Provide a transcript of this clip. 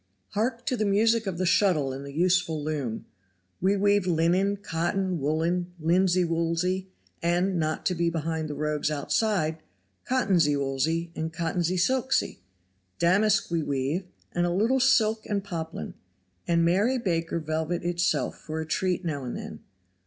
Hark to the music of the shuttle and the useful loom. We weave linen, cotton, woolen, linsey woolsey, and, not to be behind the rogues outside, cottonsey woolsey and cottonsey silksey; damask we weave, and a little silk and poplin, and Mary Baker velvet itself for a treat now and then.